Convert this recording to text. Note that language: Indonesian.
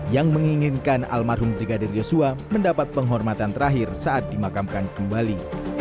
yang menginginkan almarhum brigadir yosua mendapat penghormatan terakhir saat dimakamkan kembali